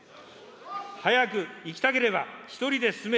早く行きたければ一人で進め。